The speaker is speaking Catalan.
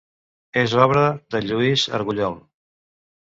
És obra de Lluís Argullol.